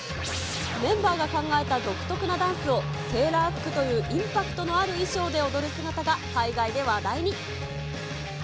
メンバーが考えた独特のダンスを、セーラー服というインパクトのある衣装で踊る姿が海外で話題に。